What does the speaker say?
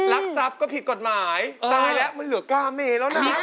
รักทรัพย์ก็ผิดกฎหมายตายแล้วมันเหลือก้าเมแล้วนะ